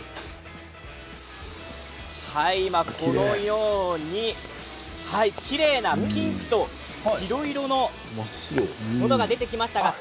今このように、きれいなピンクと白色のものが出てきました。